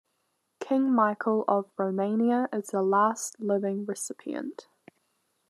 King Michael of Romania is the last living recipient.